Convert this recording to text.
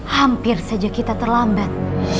hampir saja kita terlambat